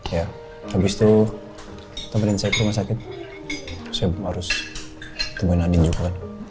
ya habis itu temenin saya ke rumah sakit saya harus tungguin andin juga